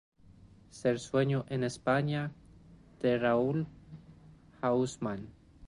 Ser sueño en España" de Raoul Hausmann.